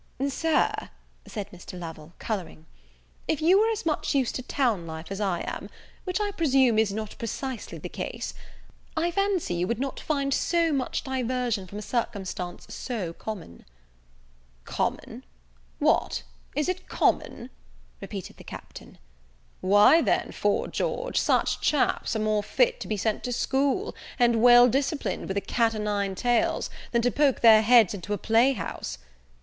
"Sir," said Mr. Lovel, colouring, "if you were as much used to town life as I am, which, I presume, is not precisely the case, I fancy you would not find so much diversion from a circumstance so common." "Common! What, is it common?" repeated the Captain; "why then, 'fore George, such chaps are more fit to be sent to school, and well disciplined with a cat o' nine tails, than to poke their heads into a play house.